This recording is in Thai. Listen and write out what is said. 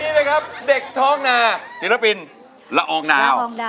อ่าเลยครับเด็กทองนาศิลปินล้อออองดาวน์